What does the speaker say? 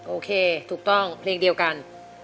โอเคถูกต้องเพลงเดียวกัน